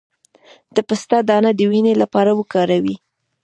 د پسته دانه د وینې لپاره وکاروئ